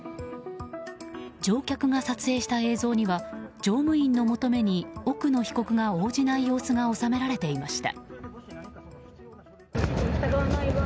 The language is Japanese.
乗客が撮影した映像には乗務員の求めに奥野被告が応じない様子が収められていました。